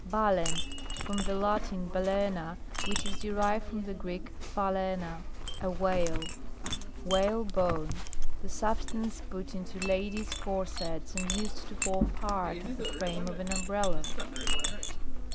BALEN. From the Latin, balaena, which is derived from the Greek, phalaina, a whale. Whalebone. The substance put into ladies' cor sets, and used to form part of the frame of an umbrella.